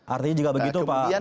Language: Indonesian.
artinya jika begitu pak